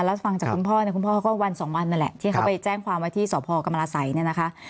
แล้วฟังจากคุณพ่อก็วัน๒วันนั่นแหละที่เขาไปแจ้งความว่าที่สพกรรมรสัยเนี่ยนะคะ